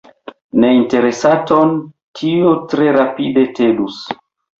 Neinteresaton tio tre rapide tedus.